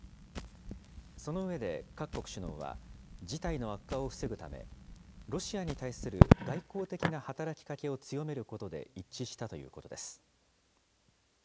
その上で、各国首脳は事態の悪化を防ぐため、ロシアに対する外交的な働きかけを強めることで一致したということです。